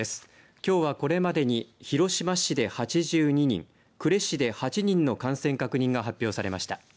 きょうはこれまでに広島市で８２人呉市で８人の感染確認が発表されました。